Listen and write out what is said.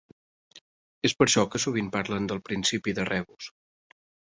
És per això que sovint parlen del «principi de rebus».